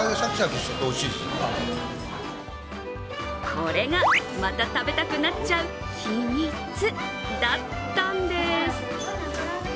これがまた食べたくなっちゃう秘密だったんです。